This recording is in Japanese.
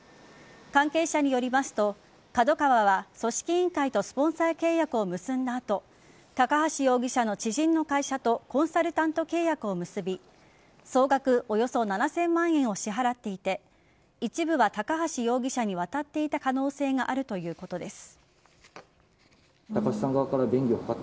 関係者によりますとＫＡＤＯＫＡＷＡは組織委員会とスポンサー契約を結んだ後高橋容疑者の知人の会社とコンサルタント契約を結び総額およそ７０００万円を支払っていて一部は高橋容疑者に渡っていた可能性があるということです。